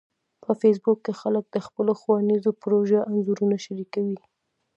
په فېسبوک کې خلک د خپلو ښوونیزو پروژو انځورونه شریکوي